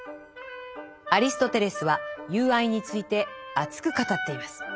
アリストテレスは「友愛」について熱く語っています。